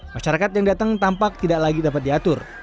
masyarakat yang datang tampak tidak lagi dapat diatur